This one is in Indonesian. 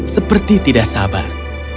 seperti tidak sabar